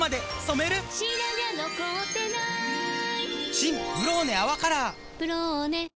新「ブローネ泡カラー」「ブローネ」